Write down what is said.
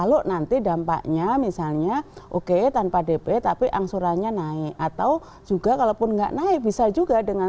program program yang tanpa dp juga sudah ada